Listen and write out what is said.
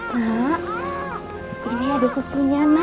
mak ini ada susunya nak